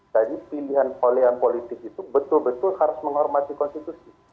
jadi pilihan pilihan politik itu betul betul harus menghormati konstitusi